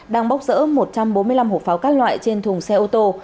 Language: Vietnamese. đang bốc rỡ một trăm bốn mươi năm hộp pháo các loại trên thùng xe ô tô